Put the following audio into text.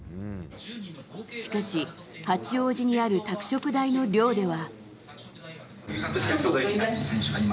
しかし、八王子にある拓殖大の寮では。